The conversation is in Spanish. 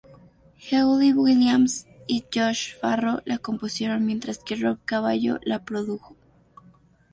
Hayley Williams y Josh Farro la compusieron, mientras que Rob Cavallo la produjo.